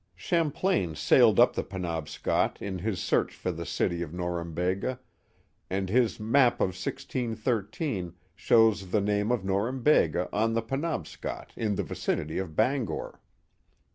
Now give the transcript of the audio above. Champlain sailed up the Penobscot in his search for the city of Norumbega, and his map of 1613 shows the name of Nor umbega on the Penobscot in the vicinity of Bangor.